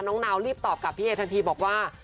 น้องนาวรีบตอบพี่เอสสันทีบอกว่า